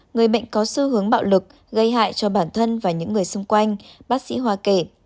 người bệnh có xu hướng bạo lực gây hại cho bản thân và những người xung quanh bác sĩ hoa kể